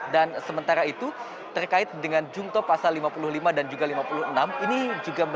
dan sementara itu terkait dengan jungtok pasal lima puluh lima dan juga lima puluh enam